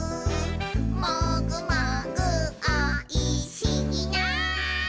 「もぐもぐおいしいな」